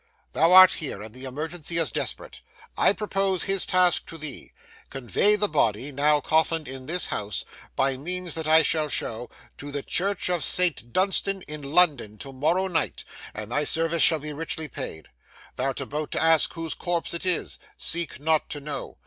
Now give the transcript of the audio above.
'Thou art here, and the emergency is desperate. I propose his task to thee. Convey the body (now coffined in this house), by means that I shall show, to the Church of St. Dunstan in London to morrow night, and thy service shall be richly paid. Thou'rt about to ask whose corpse it is. Seek not to know.